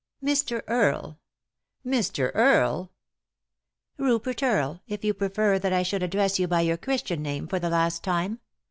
" Mr. Earle " "Mr. Earle I" " Rupert Earle, it you prefer that I should address you by your Christian name, for the last time.